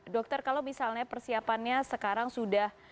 dokter kalau misalnya persiapannya sekarang sudah